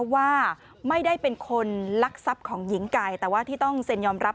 ว่าไม่ได้เป็นคนลักทรัพย์ของหญิงไก่แต่ว่าที่ต้องเซ็นยอมรับ